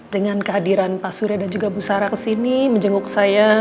dengan kehadiran pak surya dan juga bu sara kesini menjenguk saya